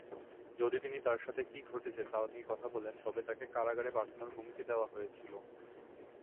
যদি তিনি তার সাথে কী ঘটছে তা নিয়ে কথা বলেন তবে তাকে কারাগারে পাঠানোর হুমকি দেওয়া হয়েছিল।